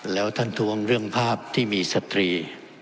แล้วท่านทวงเรื่องภาพที่มีสตรี